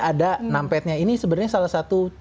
ada numpad nya ini sebenarnya salah satu